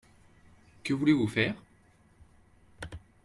Que voulez-vous faire ?